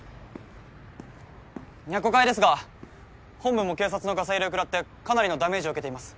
若琥会ですが本部も警察のガサ入れをくらってかなりのダメージを受けています。